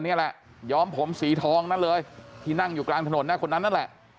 นี่แหละย้อมผมสีทองนั่นเลยที่นั่งอยู่กลางถนนนะคนนั้นนั่นแหละ